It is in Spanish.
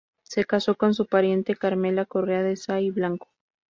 Se casó con su pariente Carmela Correa de Saa y Blanco.